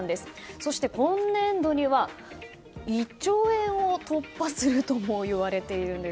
そして、今年度には１兆円を突破するともいわれているんです。